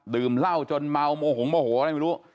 ดื่มเหล้าจนเมาโมหงโมโหอะไรไม่รู้